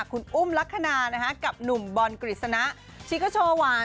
คุณอุ้มลักษณะกับหนุ่มบอลกฤษณะชิคโชวาน